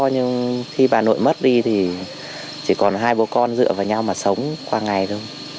nhưng khi bà nội mất đi thì chỉ còn hai bố con dựa vào nhau mà sống qua ngày thôi